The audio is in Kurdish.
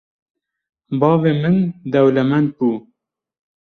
Bavê min dewlemend bû